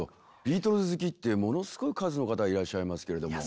ビートルズ好きってものすごい数の方いらっしゃいますけれども。